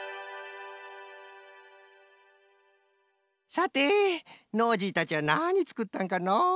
さてノージーたちはなにつくったんかのう。